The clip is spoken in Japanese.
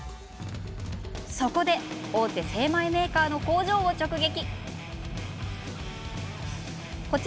そこで大手精米メーカーの工場を直撃。